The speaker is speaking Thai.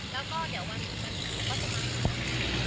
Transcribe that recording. แล้วก็เดี๋ยววันก็จะมาอีก